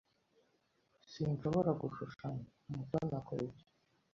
Sinshobora gushushanya Mutoni akora ibyo.